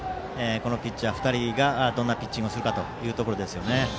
このピッチャー２人がどんなピッチングをするかですね。